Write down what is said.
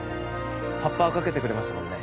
ハッパかけてくれましたもんね